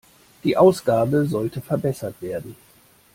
Die Ausgabe sollte verbessert werden.